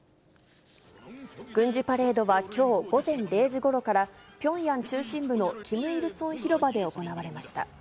軍事パレードはきょう午前０時ごろから、ピョンヤン中心部のキム・イルソン広場で行われました。